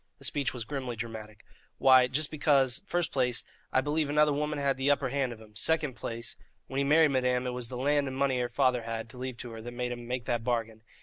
The speech was grimly dramatic. "Why, just because, first place, I believe another woman had the upper hand of him; second place, when he married madame it was the land and money her father had to leave her that made him make that bargain.